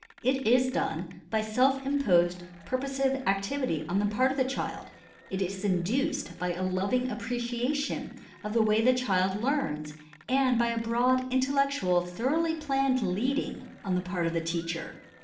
It is done hj self imposed purposive activity on the part of the child ; it is induced by a loving appreciation of the way the child learns and by a broad, intellectual, thoroughly planned leading on the part of the teacher.